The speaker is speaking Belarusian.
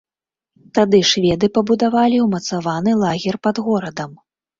Тады шведы пабудавалі ўмацаваны лагер пад горадам.